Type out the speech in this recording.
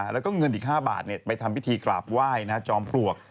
แล้วก็เงินอีก๕บาทไปทำพิธีกราบไหว้จอมปลวก